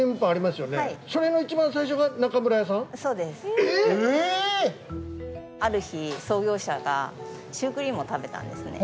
えぇ⁉ある日創業者がシュークリームを食べたんですね。